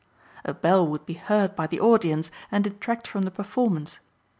A bell would be heard by the audience and detract from the performance.